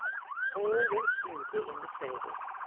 All went smoothly in the stable.